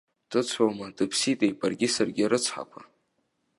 Дыцәоума дыԥситеи, баргьы саргьы арыцҳақәа!